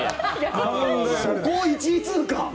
そこを１位通過？